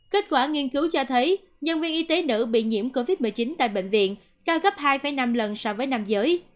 kết quả nghiên cứu cho thấy nhân viên y tế nữ bị nhiễm covid một mươi chín tại bệnh viện cao gấp hai năm lần so với nam giới